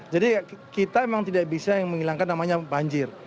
jadi kita memang tidak bisa yang menghilangkan namanya banjir